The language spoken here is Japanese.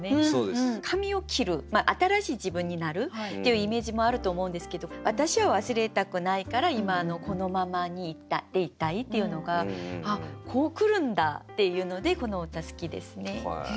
髪を切る新しい自分になるっていうイメージもあると思うんですけど私は忘れたくないから今のこのままでいたいっていうのがこう来るんだっていうのでこの歌好きですね。